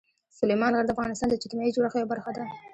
سلیمان غر د افغانستان د اجتماعي جوړښت یوه برخه ده.